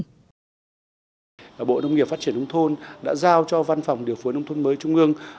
nói chung bộ nông nghiệp phát triển nông thôn đã giao cho văn phòng điều phối nông thuận mới trung ương